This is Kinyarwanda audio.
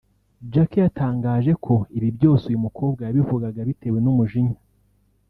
Jack yatangaje ko ibi byose uyu mukobwa yabivugaga bitewe n’umujinya